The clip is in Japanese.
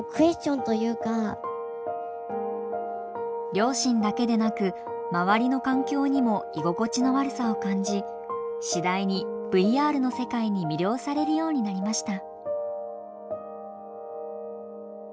両親だけでなく周りの環境にも居心地の悪さを感じ次第にＶＲの世界に魅了されるようになりました。